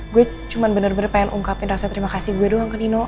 gue cuma bener bener pengen ungkapin rasa terima kasih gue doang kan dino